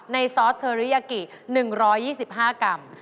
ซอสเทอริยากิ๑๒๕กรัม